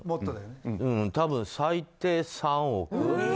多分、最低３億。